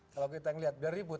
kalau kita yang lihat beribut